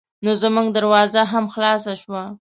نو زمونږ دروازه هم خلاصه شوه.